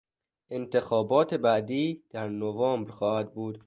انتخابات بعدی در نوامبر خواهد بود.